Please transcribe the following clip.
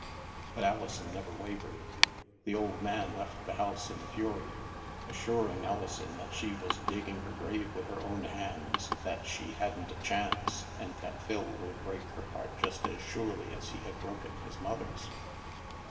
But Alison never wavered. The old man left the house in fury, assuring Alison that she was digging her grave with her own hands, that she hadn't a chance, and that Phil would break her heart just as surely as he had broken his mother's.